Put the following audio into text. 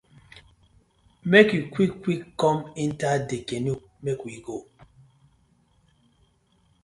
Mek yu quick quick kom enter dey canoe mek we go.